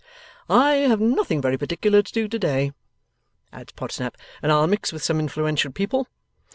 'I have nothing very particular to do to day,' adds Podsnap, 'and I'll mix with some influential people.